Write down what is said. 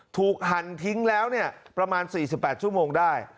หั่นทิ้งแล้วประมาณ๔๘ชั่วโมงได้